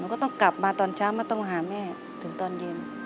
ก็ต้องกลับมาตอนเช้ามาต้องหาแม่ถึงตอนเย็น